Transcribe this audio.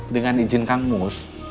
dengan izin kang mus